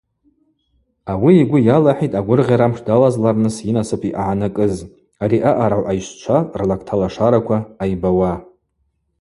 Ауи йгвы йалахӏитӏ агвыргъьарамш далазларныс йынасып йъагӏанакӏыз, ари аъарагӏв айщчва рлакта лашараква ъайбауа.